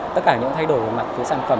tất cả những thay đổi về mạng chứa sản phẩm